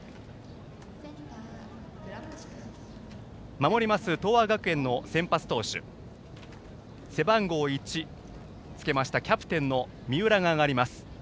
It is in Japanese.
守ります東亜学園の先発投手背番号１をつけましたキャプテンの三浦が上がります。